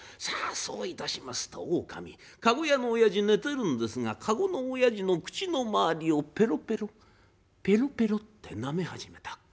さあそういたしますと狼駕籠屋のおやじ寝てるんですが駕籠のおやじの口の周りをペロペロペロペロってなめ始めた。